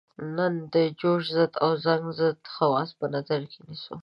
نن د جوش ضد او زنګ ضد خواص په نظر کې نیسو.